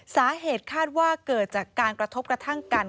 สาเหตุคาดว่าเกิดจากการกระทบกระทั่งกัน